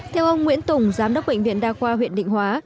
theo ông nguyễn tùng giám đốc bệnh viện đa khoa huyện định hóa